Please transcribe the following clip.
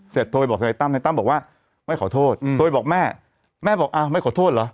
โทรไปบอกทนายตั้มทนายตั้มบอกว่าไม่ขอโทษโทรไปบอกแม่แม่บอกอ้าวไม่ขอโทษเหรอ